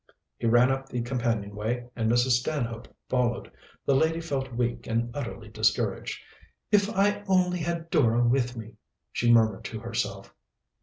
He ran up the companion way, and Mrs. Stanhope followed. The lady felt weak and utterly discouraged. "If I only had Dora with me!" she murmured to herself.